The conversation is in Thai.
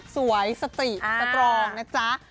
สติสตรองนะจ๊ะ